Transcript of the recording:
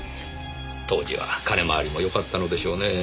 当時は金回りもよかったのでしょうねぇ。